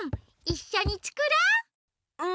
いっしょにつくろう！